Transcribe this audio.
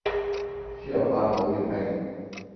輸入法冇粵拼